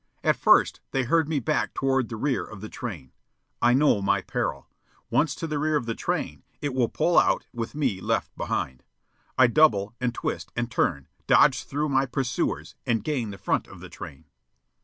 At first they herd me back toward the rear of the train. I know my peril. Once to the rear of the train, it will pull out with me left behind. I double, and twist, and turn, dodge through my pursuers, and gain the front of the train.